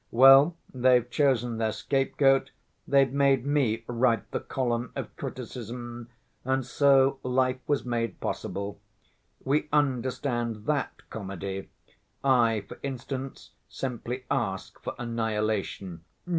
Well, they've chosen their scapegoat, they've made me write the column of criticism and so life was made possible. We understand that comedy; I, for instance, simply ask for annihilation.